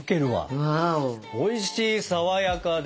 おいしいさわやかで。